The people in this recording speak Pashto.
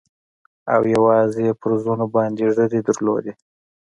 او يوازې يې پر زنو باندې ږيرې لرلې.